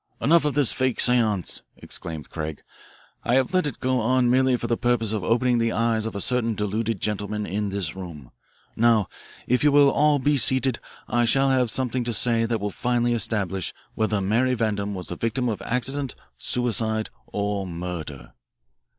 "Enough of this fake seance," exclaimed Craig. "I have let it go on merely for the purpose of opening the eyes of a certain deluded gentleman in this room. Now, if you will all be seated I shall have something to say that will finally establish whether Mary Vandam was the victim of accident, suicide, or murder."